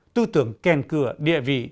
tư tưởng kèn cửa địa vị